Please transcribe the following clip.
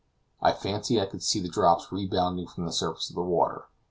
I fancied I could see the drops rebounding from the surface of the water.